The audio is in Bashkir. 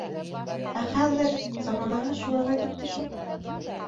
Ә хәҙер... заманаһы шулайға китте шул!